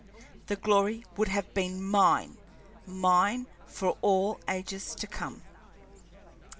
The glory would have been mine mine for all ages to come."